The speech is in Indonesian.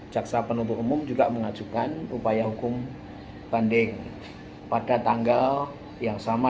jaksa penuntut umum juga mengajukan upaya hukum banding pada tanggal yang sama